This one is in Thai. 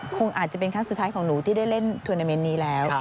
คงอาจจะเป็นครั้งสุดท้ายของหนูที่ได้เล่นทวนาเมนต์นี้แล้ว